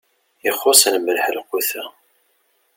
Ixuṣṣ lmelḥ lqut-a.